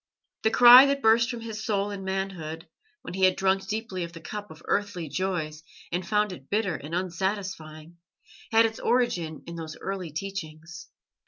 The cry that burst from his soul in manhood, when he had drunk deeply of the cup of earthly joys and found it bitter and unsatisfying, had its origin in those early teachings.